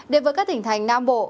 đến với các tỉnh thành nam bộ